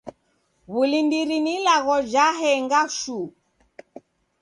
W'ulindiri ni ilagho ja henga shuu.